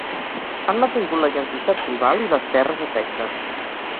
Han mantingut la identitat tribal i les terres a Texas.